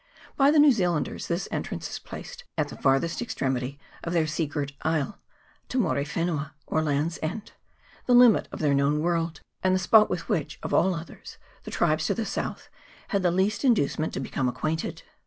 By the New Zealanders this entrance is placed at the farthest extremity of their sea girt isle (Te Muri wenua, or land's end), the limit of their known world, and the spot with which, of all others, the tribes to the south had the least inducement to become acquainted.